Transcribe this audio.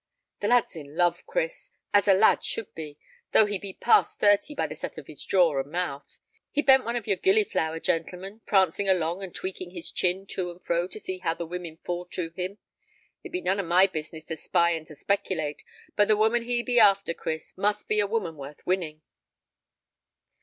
"The lad's in love, Chris, as a lad should be, though he be past thirty by the set of his jaw and mouth. He ben't one of your gilliflower gentlemen, prancing along and tweaking his chin to and fro to see how the women fall to him. It be none of my business to spy and to speculate, but the woman he be after, Chris, must be a woman worth winning."